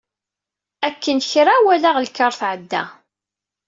Akken kra, walaɣ lkar tɛedda.